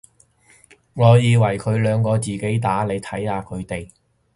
我以為佢兩個自己打，你睇下佢哋